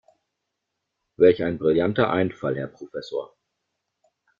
Welch ein brillanter Einfall, Herr Professor!